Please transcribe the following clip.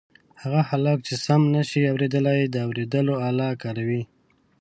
هغه خلک چې سم نشي اورېدلای د اوریدلو آله کاروي.